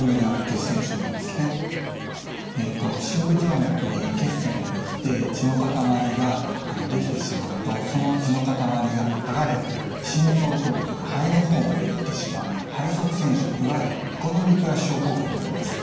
深部静脈に血栓が出来て血の塊が出来てしまうとその血の塊がはがれて心臓を通って肺の方まで行ってしまう肺塞栓症いわゆるエコノミークラス症候群になります。